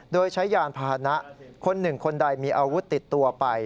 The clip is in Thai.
โดยใช้ยานพาหนะคนหนึ่งคนใดมีอาวุธติดตัวไป